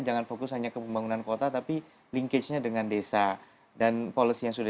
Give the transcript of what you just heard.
jangan fokus hanya ke pembangunan kota tapi linkagenya dengan desa dan polisi yang sudah